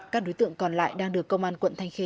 các đối tượng còn lại đang được công an quận thanh khê